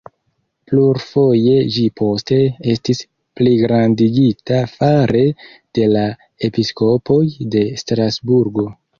Plurfoje ĝi poste estis pligrandigita fare de la episkopoj de Strasburgo.